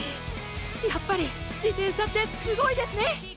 やっぱり自転車ってすごいですね。